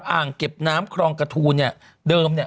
อ่างเก็บน้ำครองกระทูลเนี่ยเดิมเนี่ย